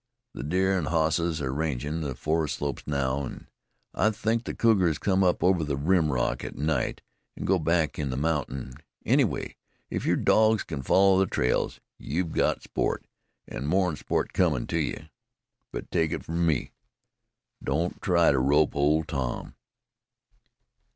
The deer an' hosses are rangin' the forest slopes now, an' I think the cougars come up over the rim rock at night an' go back in the mornin'. Anyway, if your dogs can follow the trails, you've got sport, an' more'n sport comin' to you. But take it from me don't try to rope Old Tom."